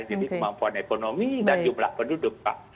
jadi kemampuan ekonomi dan jumlah penduduk